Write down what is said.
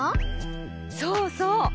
そうそう！